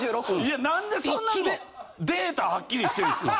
なんでそんなデータはっきりしてるんですか。